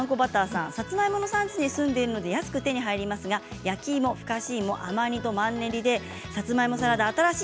さつまいもの産地に住んでいるので安く手に入りますが、焼き芋ふかし芋とマンネリでさつまいものサラダ新しい。